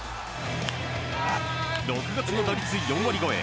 ６月の打率４割超え。